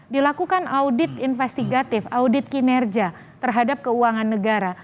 dilakukan audit investigatif audit kinerja terhadap keuangan negara